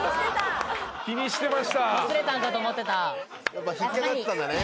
やっぱ引っ掛かってたんだね。